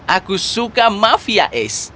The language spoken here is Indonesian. aku suka mafia ace